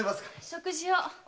食事を。